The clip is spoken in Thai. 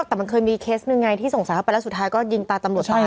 แต่มันเคยมีเคสหนึ่งไงที่ส่งสารเข้าไปแล้วสุดท้ายก็ยิงตาตำรวจไป